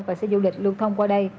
và xe du lịch lưu thông qua đây